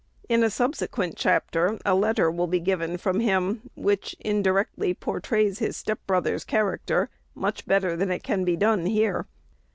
In a subsequent chapter a letter will be given from him, which indirectly portrays his step brother's character much better than it can be done here.